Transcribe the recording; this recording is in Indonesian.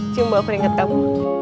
cuman aku inget kamu